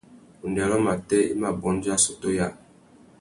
Undêrô matê i mà bôndia assôtô yâā.